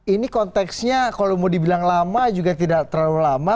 ini konteksnya kalau mau dibilang lama juga tidak terlalu lama